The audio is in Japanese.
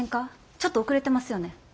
ちょっと遅れてますよね。